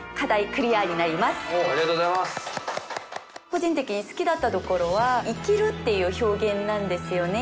個人的に好きだったところは「生きる」っていう表現なんですよね。